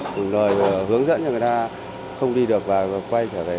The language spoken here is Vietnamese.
gửi lời hướng dẫn cho người ta không đi được và quay trở về